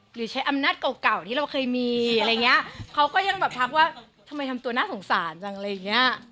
หรือใช้อำนาจเก่าเก่าที่เราเคยมีอะไรอย่างเงี้ยเขาก็ยังแบบทักว่าทำไมทำตัวน่าสงสารจังอะไรอย่างเงี้ย